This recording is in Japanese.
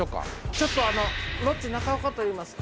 ちょっとあのロッチ中岡といいます。